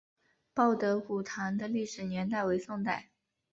报德古堂的历史年代为宋代。